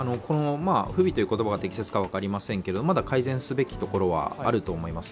不備という言葉が適切かどうかは分かりませんけどまだ改善できる部分はあると思います。